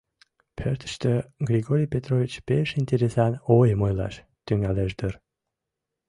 Пӧртыштӧ Григорий Петрович пеш интересан ойым ойлаш тӱҥалеш дыр.